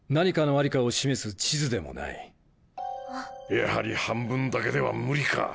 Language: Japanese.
やはり半分だけでは無理か。